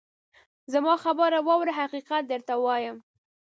زما خبره واوره ! حقیقت درته وایم.